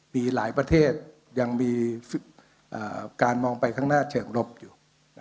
มีหลายประเทศยังมีการมองไปข้างหน้าเชิงรบอยู่